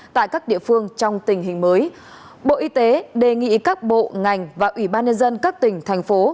tại các địa phương trong tình hình mới bộ y tế đề nghị các bộ ngành và ủy ban nhân dân các tỉnh thành phố